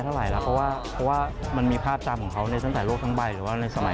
ก็อยากเป็นได้ฟุตบอลอาชีพเลย